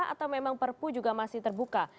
atau memang perpu juga masih terbuka